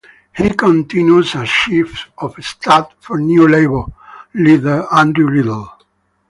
He continues as chief of staff for new Labour leader, Andrew Little.